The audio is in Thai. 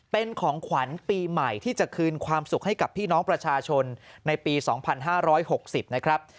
เป็นของขวัญปีใหม่ที่จะคืนความสุขให้กับพี่น้องประชาชนในปี๒๕๖๐นะครับ